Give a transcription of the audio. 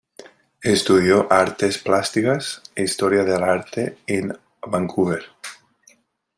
Estudió Artes Plásticas e Historia del Arte en Vancouver.